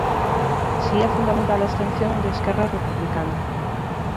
Si é fundamental a abstención de Esquerra Republicana.